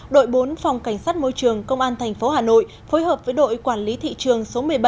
đội bốn phòng cảnh sát môi trường công an tp hà nội phối hợp với đội quản lý thị trường số một mươi bảy